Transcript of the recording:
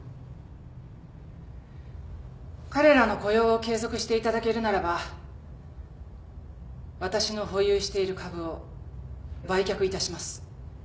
彼らの雇用を継続していただけるならば私の保有している株を売却いたします。